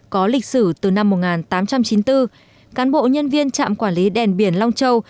có lịch sử từ năm một nghìn tám trăm chín mươi bốn cán bộ nhân viên trạm quản lý đèn biển long châu